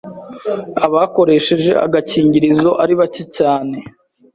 abakoresheje agakingirizo ari bake cyane,